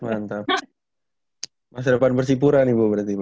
mantap masa depan bersipuran ibu berarti bu